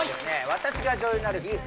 「『私が女優になる日』